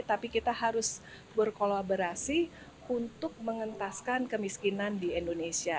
tapi kita harus berkolaborasi untuk mengentaskan kemiskinan di indonesia